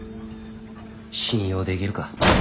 信用できるか。